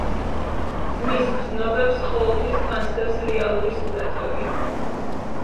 მის გრძნობებს ყოველთვის თან სდევს რეალური სურათები.